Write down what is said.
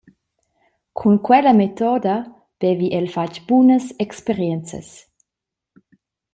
Cun quella metoda vevi el fatg bunas experienzas.